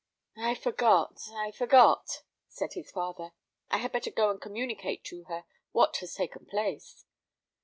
"I forgot I forgot," said his father. "I had better go and communicate to her what has taken place."